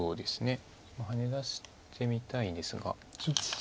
ハネ出してみたいですが。